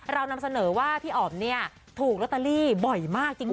เรานำเสนอว่าพี่ออ๋อมถูกละเตอรี่เยอะมากจริง